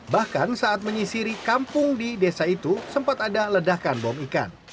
bahkan saat menyisiri kampung di desa itu sempat ada ledakan bom ikan